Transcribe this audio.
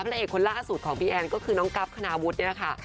ภละเอกคนล่าอสุดของพี่แอ้นก็คือน้องกรัฟคณาวุทธ์นี่นะคะ